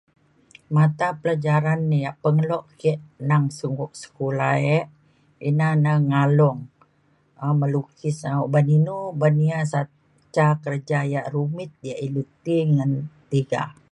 matapelajaran ya' pengeluk ke' nang sung sekolah ek ina na ngalung um melukis um uban inu uban ia sa- ca kerja ya' rumit ya' ilu ti ngan tiga.